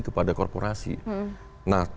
kepada korporasi nah